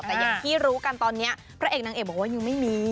แต่อย่างที่รู้กันตอนนี้พระเอกนางเอกบอกว่ายังไม่มี